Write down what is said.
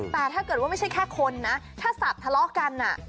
แต่ถ้าเกิดว่าไม่ใช่แค่คนนะถ้าสัตว์ทะเลาะกัน